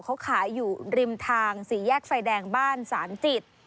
เขาขายอยู่ริมทางสี่แยกไฟแดงบ้านสานจิต